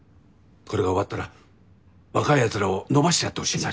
これが終わったら若いやつらを伸ばしてやってほしいんだ。